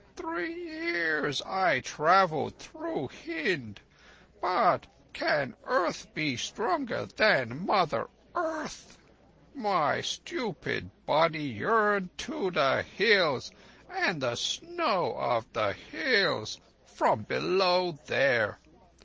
Three years I travelled through Hind, but—can earth be stronger than Mother Earth? My stupid body yearned to the Hills and the snows of the Hills, from below there.